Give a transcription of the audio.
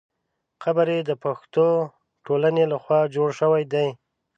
قبر یې د پښتو ټولنې له خوا جوړ شوی دی.